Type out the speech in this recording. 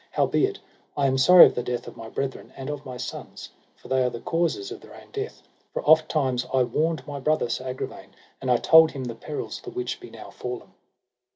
Howbeit I am sorry of the death of my brethren and of my sons, for they are the causers of their own death; for ofttimes I warned my brother Sir Agravaine, and I told him the perils the which be now fallen.